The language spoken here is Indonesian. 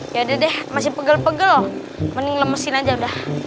ya udah deh masih pegel pegel mending lemesin aja udah